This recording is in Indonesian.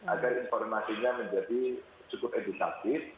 agar informasinya menjadi cukup edukatif